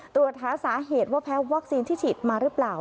ตรวจหาสาเหตุว่าแพ้วัคซีนที่ฉีดมาหรือเปล่า